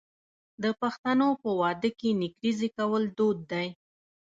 د پښتنو په واده کې نکریزې کول دود دی.